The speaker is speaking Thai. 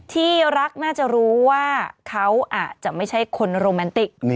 ที่รักน่าจะรู้ว่าเขาอาจจะไม่ใช่คนโรแมนติก